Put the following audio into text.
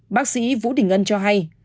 bác sĩ vũ đình ân cho hay